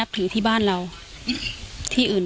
การแก้เคล็ดบางอย่างแค่นั้นเอง